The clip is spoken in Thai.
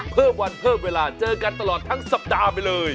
เพิ่มวันเพิ่มเวลาเจอกันตลอดทั้งสัปดาห์ไปเลย